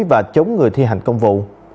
và chống người thi hành công vụ